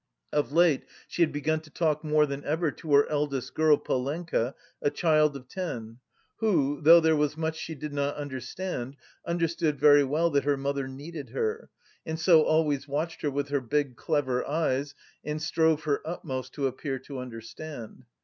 Of late she had begun to talk more than ever to her eldest girl, Polenka, a child of ten, who, though there was much she did not understand, understood very well that her mother needed her, and so always watched her with her big clever eyes and strove her utmost to appear to understand.